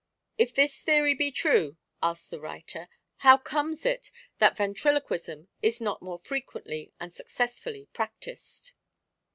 ■ If this theory be true, 1 asks the writer, ' how comes it that Ventriloquism is not more frequently and successfully practised